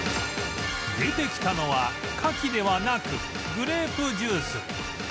出てきたのはカキではなくグレープジュース